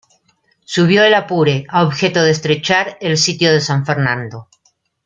Subió el Apure a objeto de estrechar el sitio de San Fernando.